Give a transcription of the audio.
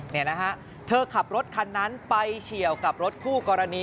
นี่นะฮะเธอขับรถคันนั้นไปเฉียวกับรถคู่กรณี